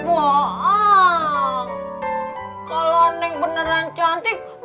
kalo neng beneran cantik